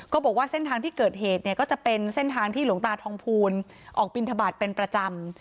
บอกว่าเส้นทางที่เกิดเหตุเนี่ยก็จะเป็นเส้นทางที่หลวงตาทองภูลออกบินทบาทเป็นประจำ